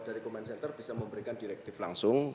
bahwa dari comment center bisa memberikan direktif langsung